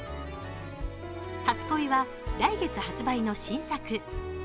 初恋は、来月発売の新作。